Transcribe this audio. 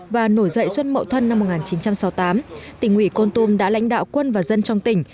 và nổi dậy xuân mậu thân năm một nghìn chín trăm sáu mươi tám tỉnh ủy con tum đã lãnh đạo quân và dân trong tỉnh